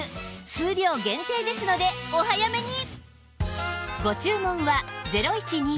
数量限定ですのでお早めに！